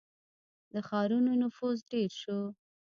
• د ښارونو نفوس ډېر شو.